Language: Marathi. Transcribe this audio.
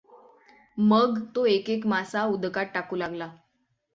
मग तो एक एक मासा उदकात टाकू लागला.